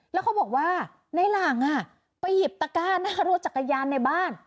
แล้วเขาบอกว่าในหลังไปหยิบตะก้าหน้ารถจักรยานในบ้าน